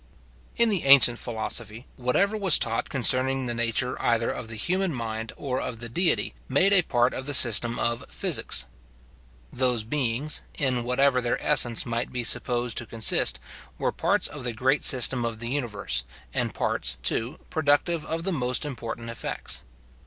In the ancient philosophy, whatever was taught concerning the nature either of the human mind or of the Deity, made a part of the system of physics. Those beings, in whatever their essence might be supposed to consist, were parts of the great system of the universe, and parts, too, productive of the most important effects.